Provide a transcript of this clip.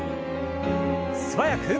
素早く。